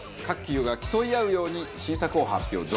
各企業が競い合うように新作を発表。